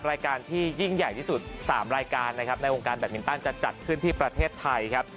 รายการที่ยิ่งใหญ่ที่สุด๓รายการนะครับในวงการแบตมินตันจะจัดขึ้นที่ประเทศไทยครับ